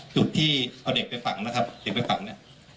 จุดที่เอาเด็กไปฝังนะครับเด็กไปฝังเนี่ย